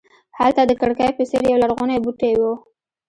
هلته د کړکۍ په څېر یولرغونی بوټی و.